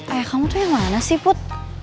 ayah kamu tuh yang mana sih put